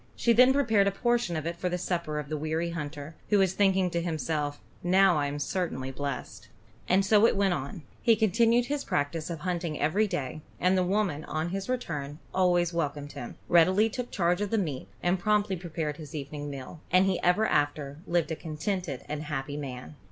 She then prepared a portion of it for the supper of the weary hunter, who was thinking to himself, "Now I am certainly blessed." And so it went on. He continued his practise of hunting every day, and the woman, on his return, always welcomed him, readily took charge of the meat, and promptly prepared his evening meal; and he ever after lived a contented and happy man.